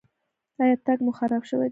ایا تګ مو خراب شوی دی؟